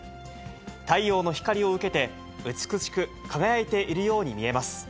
太陽の光を受けて美しく輝いているように見えます。